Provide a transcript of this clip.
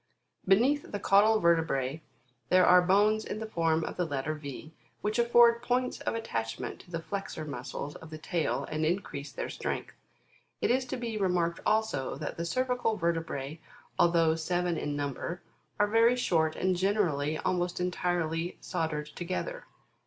Beneath the caudal vertebrae, there are bones in the form of the letter V, which afford points of attachment to the flexor muscles of the tail, and increase their strength : it is to remarked also, that the cervical vertebra, although seven in num ber, are very short, and generally, almost entirely soldered together.